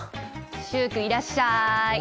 習君いらっしゃい！